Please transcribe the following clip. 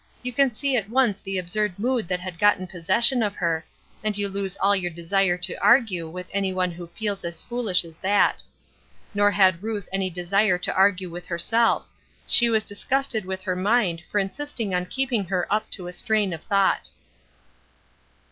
you can see at once the absurd mood that had gotten possession of her, and you lose all your desire to argue with any one who feels as foolish as that. Neither had Ruth any desire to argue with herself; she was disgusted with her mind for insisting on keeping her up to a strain of thought.